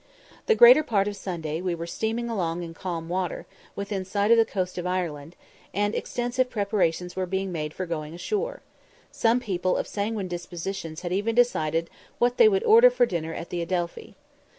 The greater part of Sunday we were steaming along in calm water, within sight of the coast of Ireland, and extensive preparations were being made for going ashore some people of sanguine dispositions had even decided what they would order for dinner at the Adelphi.